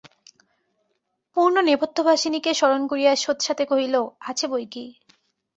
পূর্ণ নেপথ্যবাসিনীকে স্মরণ করিয়া সোৎসাহে কহিল, আছে বৈকি।